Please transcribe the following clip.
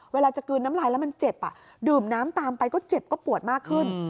เวลาจะกลืนน้ำลายแล้วมันเจ็บดื่มน้ำตามไปก็เจ็บก็ปวดมากขึ้น